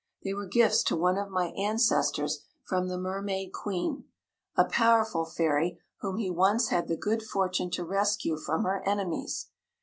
They were gifts to one of my ancestors from the Mermaid Queen, a powerful fairy whom he once had the good fortune to rescue from her enemies.